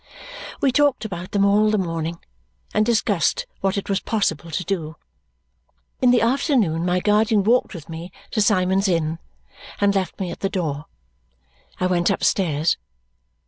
We talked about them all the morning and discussed what it was possible to do. In the afternoon my guardian walked with me to Symond's Inn and left me at the door. I went upstairs.